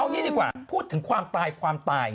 นี่ดีกว่าพูดถึงความตายความตาย